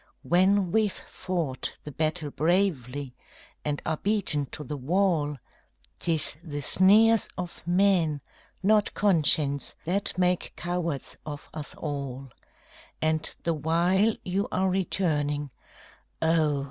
When we've fought the battle bravely and are beaten to the wall, 'Tis the sneers of men, not conscience, that make cowards of us all; And the while you are returning, oh!